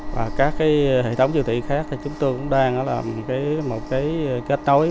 và các hệ thống siêu thị khác thì chúng tôi cũng đang làm một cái kết nối